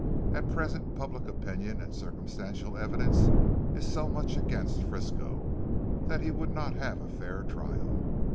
At present public opinion and circumstantial evidence is so much against Frisco, that he would not have a fair trial.